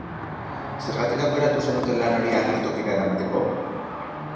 Zergatik aukeratu zenuten lan hori agertokira eramateko?